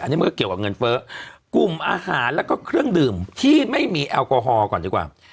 อันนี้มันก็เกี่ยวกับเงินเฟ้อกลุ่มอาหารแล้วก็เครื่องดื่มที่ไม่มีแอลกอฮอล์ก่อนดีกว่า